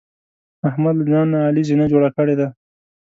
احمد له ځان نه علي زینه جوړه کړې ده.